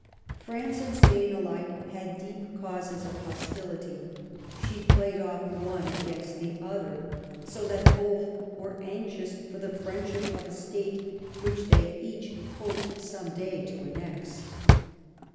France and Spain alike had deep causes of hostility ; she played off one against the other, so that both were anxious for the friendship of a State which they each hoped some day to annex.